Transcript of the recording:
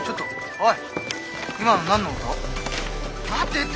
おい！